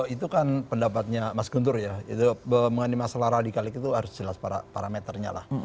itu kan pendapatnya mas guntur ya mengenai masalah radikalis itu harus jelas parameternya lah